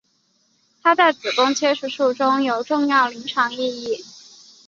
它在子宫切除术中有重要临床意义。